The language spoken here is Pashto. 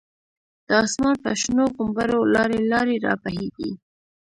د آسمان په شنو غومبرو، لاری لاری را بهیږی